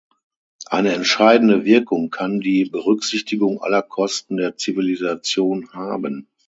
Eine entscheidende Wirkung kann die Berücksichtigung aller Kosten der Zivilisation haben.